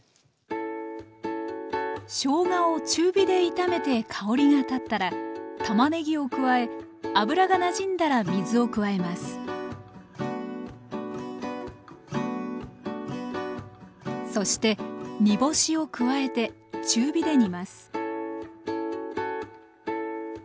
しょうがを中火で炒めて香りが立ったらたまねぎを加え油がなじんだら水を加えますそして煮干しを加えて中火で煮ます